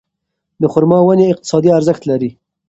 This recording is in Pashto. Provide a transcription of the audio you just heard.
د خورما ونې اقتصادي ارزښت لري.